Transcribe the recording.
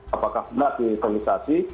apakah benar di sterilisasi